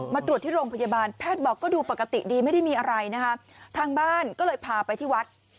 มาตรวจที่โรงพยาบาลแพทย์บอกก็ดูปกติดีไม่ได้มีอะไรนะคะทางบ้านก็เลยพาไปที่วัด